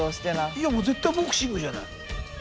いやもう絶対ボクシングじゃない。